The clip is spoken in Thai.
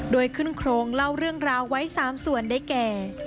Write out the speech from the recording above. โดยขึ้นโครงเล่าเรื่องราวไว้๓ส่วนได้แก่